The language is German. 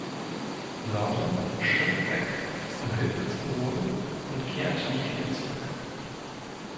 Lauren schwimmt weg, um Hilfe zu holen und kehrt nicht wieder zurück.